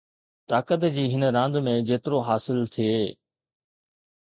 طاقت جي هن راند ۾ جيترو حاصل ٿئي